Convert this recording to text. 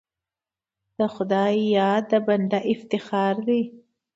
د خدای یاد د بنده افتخار دی.